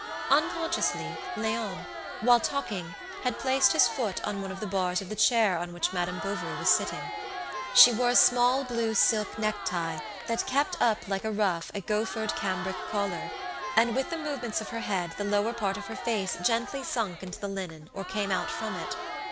Unconsciously, Léon, while talking, had placed his foot on one of the bars of the chair on which Madame Bovary was sitting. She wore a small blue silk necktie, that kept up like a ruff a gauffered cambric collar, and with the movements of her head the lower part of her face gently sunk into the linen or came out from it.